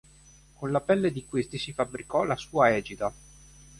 Con la pelle di questi si fabbricò la sua egida.